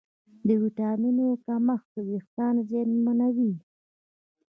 د ویټامینونو کمښت وېښتيان زیانمنوي.